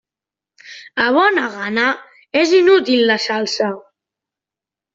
A bona gana, és inútil la salsa.